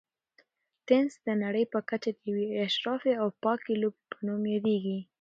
تېنس د نړۍ په کچه د یوې اشرافي او پاکې لوبې په نوم یادیږي.